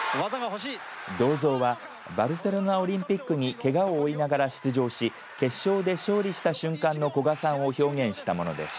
銅像はバルセロナオリンピックにけがを負いながら出場し決勝で勝利した瞬間の古賀さんを表現したものです。